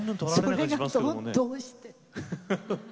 それが、どうして。